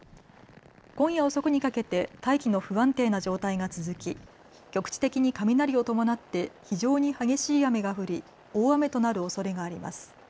今夜遅くにかけて大気の不安定な状態が続き局地的に雷を伴って非常に激しい雨が降り大雨となるおそれがあります。